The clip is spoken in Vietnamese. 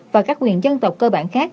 và các quyền dân tộc cơ bản khác